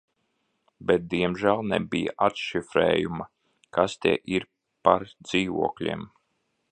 Bet diemžēl nebija atšifrējuma, kas tie ir par dzīvokļiem.